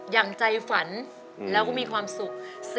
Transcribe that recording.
อย่างใจฝันแล้วก็มีความสุข